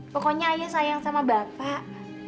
pokoknya ayah sayang sama bapak